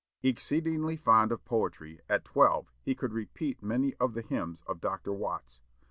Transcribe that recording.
Exceedingly fond of poetry, at twelve he could repeat many of the hymns of Dr. Watts.